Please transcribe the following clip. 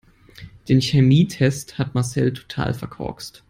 Den Chemietest hat Marcel total verkorkst.